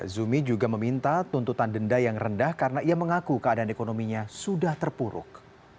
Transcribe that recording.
zumi juga meminta tuntutan denda yang rendah karena ia mengaku keadaan ekonominya sudah terpuruk